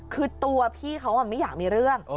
คือตัวพี่เขาไม่อยากมีเรื่อง